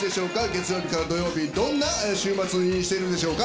月曜日から土曜日どんな週末にしてるんでしょうか？